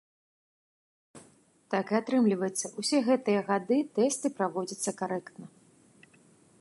Так і атрымліваецца, усе гэтыя гады тэсты праводзяцца карэктна.